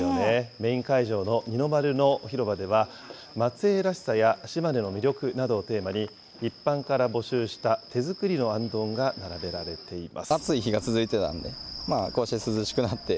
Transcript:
メイン会場の二の丸の広場では、松江らしさや島根の魅力などをテーマに、一般から募集した手作りのあんどんが並べられています。